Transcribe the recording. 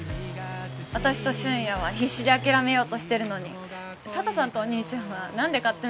私と俊也は必死で諦めようとしてるのに佐都さんとお兄ちゃんは何で勝手なことしてんだろうって。